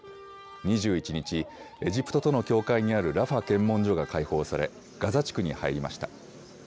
２１日、エジプトとの境界にあるラファ検問所が開放されガザ地区に入りました。